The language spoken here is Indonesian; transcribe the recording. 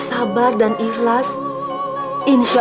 salah satu anugerah rumor atau suau